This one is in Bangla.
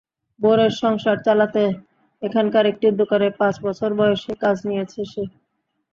বোনের সংসার চালাতে এখানকার একটি দোকানে পাঁচ বছর বয়সেই কাজ নিয়েছে সে।